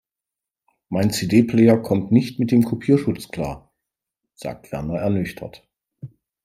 Mein CD-Player kommt nicht mit dem Kopierschutz klar, sagt Werner ernüchtert.